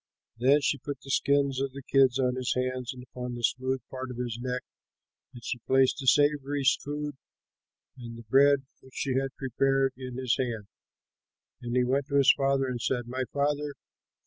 Then she put the skins of the kids upon his hands and upon the smooth part of his neck, and she placed the savory food and the bread which she had prepared in his hand, and he went to his father and said, "My father."